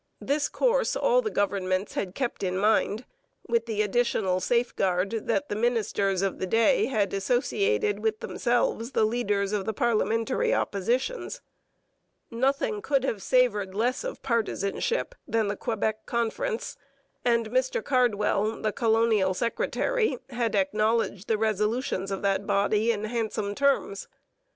This course all the governments had kept in mind, with the additional safeguard that the ministers of the day had associated with themselves the leaders of the parliamentary oppositions. Nothing could have savoured less of partisanship than the Quebec Conference; and Mr Cardwell, the colonial secretary, had acknowledged the resolutions of that body in handsome terms.